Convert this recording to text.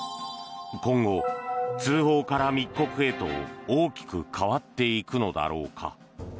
今後、通報から密告へと大きく変わっていくのだろうか。